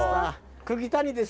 釘谷です。